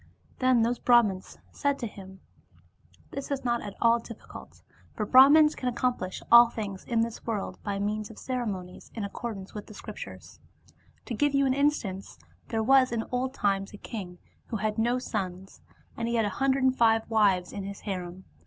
Then those Brihmans said to him :" This is not at all difficult, for Brahmans can accomplish all things in this world by 82 DevasmUd means of ceremonies in accordance with the Scriptures. To give you an instance, there was in old times a king who had no sons, and he had a hundred and five wives in his harem.